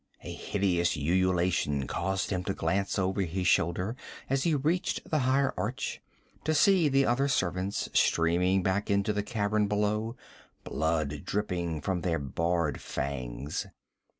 A hideous ululation caused him to glance over his shoulder as he reached the higher arch, to see the other servants streaming back into the cavern below, blood dripping from their bared fangs.